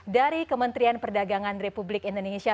dari kementerian perdagangan republik indonesia